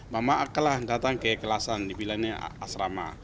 mama telah datang ke kelasan di bilanya asrama